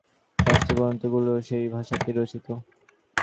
আর সর্বসাধারণে প্রচলিত যে ভাষা, শাস্ত্রগ্রন্থগুলিও সেই ভাষাতেই রচিত।